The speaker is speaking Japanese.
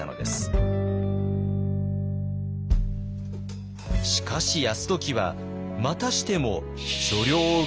しかし泰時はまたしても所領を受け取ることを拒否。